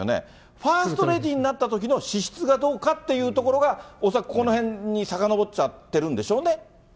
ファーストレディーになったときの資質がどうかっていうところが、恐らくこのへんにさかのぼっちゃってるんでしょうね。